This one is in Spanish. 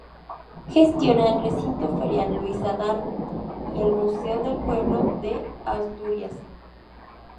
Gestiona el Recinto Ferial Luis Adaro y el Museo del Pueblo de Asturias.